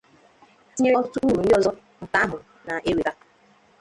tinyere ọtụtụ úrù ndị ọzọ nke ahụ na-ewèta